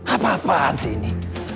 apa apaan sih ini